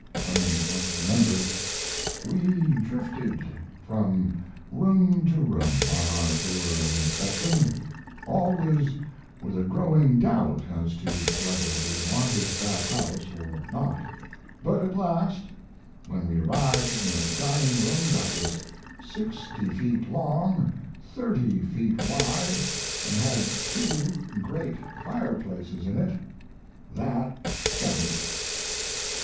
Clemens once remembered: "We drifted from room to room on our tour of inspection, always with a growing doubt as to whether we wanted that house or not; but at last, when we arrived in a dining room that was 60 feet long, 30 feet wide, and had two great fireplaces in it, that settled it."